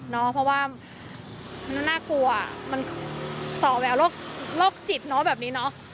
เพราะว่ามันน่ากลัวมันสอแววโรคจิตเนอะแบบนี้เนาะ